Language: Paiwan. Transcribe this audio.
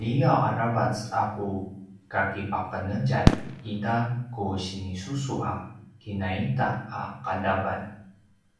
liyav aravac a ku kakipaqenetjan i ta ku sinisusu a kinaita a qadavan